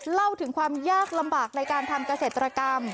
เล่าถึงความยากลำบากในการทำเกษตรกรรม